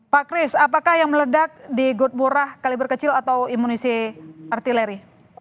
pak kris apakah yang meledak di good murah kaliber kecil atau imunisasi artileri